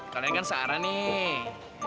kalian kan seara nih